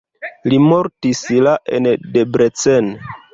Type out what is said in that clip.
Li mortis la en Debrecen.